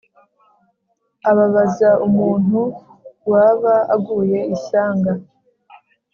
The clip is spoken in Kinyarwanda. ababaza umuntu waba aguye ishyanga